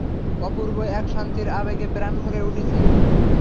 অপূর্ব এক শান্তির আবেগে প্রাণ ভরে উঠছে।